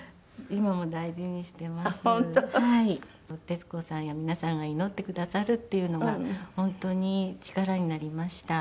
徹子さんや皆さんが祈ってくださるっていうのが本当に力になりました。